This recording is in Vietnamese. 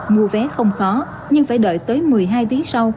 mua vé không khó nhưng phải đợi tới một mươi hai tiếng sau